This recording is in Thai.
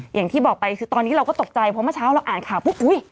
อย่างที่บอกไปคือตอนนี้เราก็ตกใจเพราะเมื่อเช้าเราอ่านข่าวปุ๊บอุ๊ย